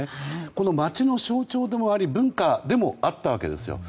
この街の象徴でもあり文化でもあったわけですよ。